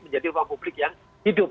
menjadi ruang publik yang hidup